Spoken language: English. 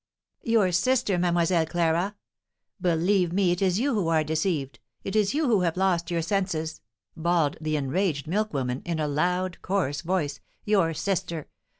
"Your sister, Mlle. Clara! Believe me, it is you who are deceived it is you who have lost your senses," bawled the enraged milk woman, in a loud, coarse voice. "Your sister!